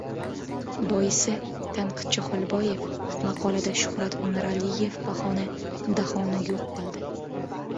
Boisi, tanqidchi Xolboyev maqolada Shuhrat Umiraliyev bahona Dahoni yo‘q qildi!